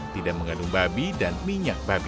tidak mengandung babi dan minyak babi